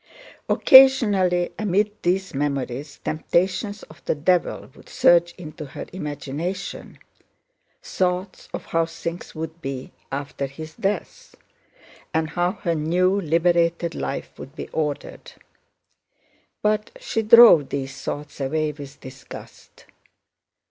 Occasionally amid these memories temptations of the devil would surge into her imagination: thoughts of how things would be after his death, and how her new, liberated life would be ordered. But she drove these thoughts away with disgust.